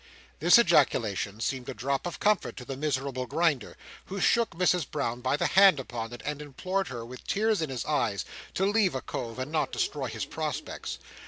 This ejaculation seemed a drop of comfort to the miserable Grinder, who shook Mrs Brown by the hand upon it, and implored her with tears in his eyes, to leave a cove and not destroy his prospects.